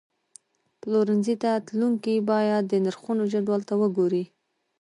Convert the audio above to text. پلورنځي ته تلونکي باید د نرخونو جدول ته وګوري.